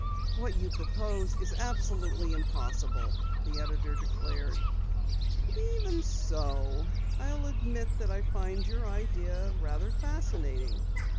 "What you propose is absolutely impossible," the editor declared. "Even so, I'll admit that I find your idea rather fascinating."